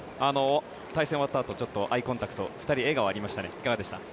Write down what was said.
対戦が終わったあとアイコンタクト２人笑顔がありましたねどうでしたか。